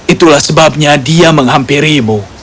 itulah sebabnya dia menghampirimu